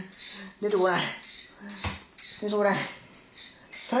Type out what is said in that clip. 出てこない。